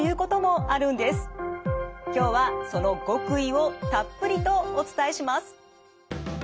今日はその極意をたっぷりとお伝えします。